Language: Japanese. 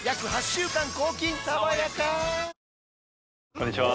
こんにちは。